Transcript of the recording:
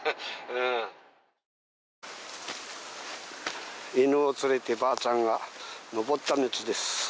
うん犬を連れてばあちゃんが上った道です